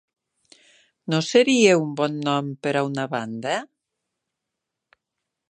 No seria un bon nom per a una banda?